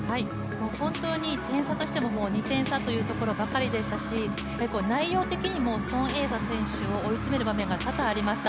本当に点差としても２点差というところばかりでしたし、内容的にも、孫エイ莎選手を追い詰める場面が多々ありました。